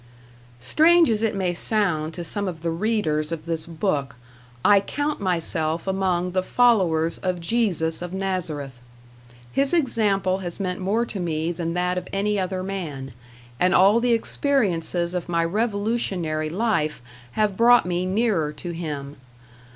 Strange as it may sound to some of the readers of this book, I count myself among the followers of Jesus of Nazareth. His example has meant more to me than that of any other man, and all the experiences of my revolutionary life have brought me nearer to him.